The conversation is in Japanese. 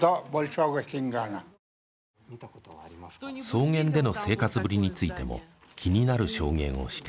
草原での生活ぶりについても気になる証言をしていた。